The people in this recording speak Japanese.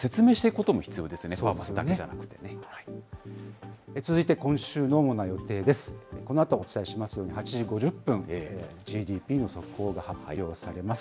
このあとお伝えしますように８時５０分、ＧＤＰの速報が発表されます。